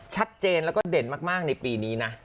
ชัดเจนแล้วก็เด่นมากในปีนี้นะ